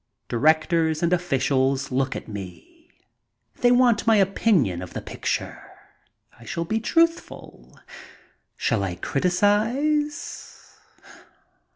Directors and officials look at me. They want my opinion of the picture. I shall be truthful. Shall I criticize